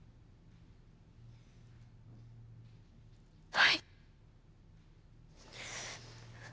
はい！